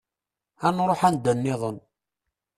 Ad nruḥ anda-nniḍen.